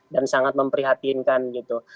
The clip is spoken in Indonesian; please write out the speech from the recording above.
dan sangat memprihatinkan gitu